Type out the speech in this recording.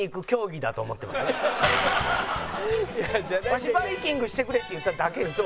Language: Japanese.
わしバイキングしてくれって言っただけです。